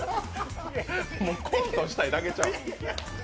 コントしたいだけちゃう？